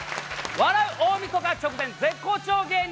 笑う大晦日直前、絶好調芸人！